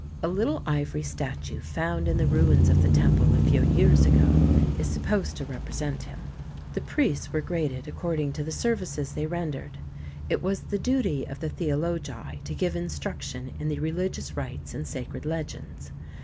A little ivory statue found in the ruins of the temple a few years ago is supposed to represent him. The priests were graded according to the services they ren THE TEMPLE OF DIANA 113 dered. It was the duty of the Theologi to give instruction in the religious rites and sacred legends.